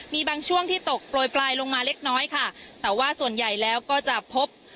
มีบางช่วงที่ตกโปรยปลายลงมาเล็กน้อยค่ะแต่ว่าส่วนใหญ่แล้วก็จะพบ